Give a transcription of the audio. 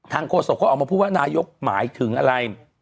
โฆษกเขาออกมาพูดว่านายกหมายถึงอะไร